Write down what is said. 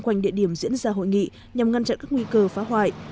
quanh địa điểm diễn ra hội nghị nhằm ngăn chặn các nguy cơ phá hoại